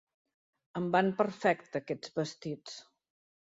Em van perfecte, aquests vestits.